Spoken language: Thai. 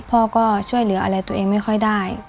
พ่อก็ช่วยเหลืออะไรตัวเองไม่ค่อยได้